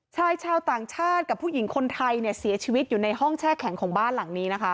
ชายชาวต่างชาติกับผู้หญิงคนไทยเนี่ยเสียชีวิตอยู่ในห้องแช่แข็งของบ้านหลังนี้นะคะ